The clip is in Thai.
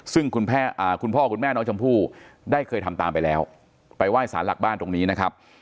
ซึ่งคุณพ่อคุณแม่น้องชมพู่ได้เคยทำตามไปแล้วไปไหว้สารหลักบ้านตรงนี้นะครับ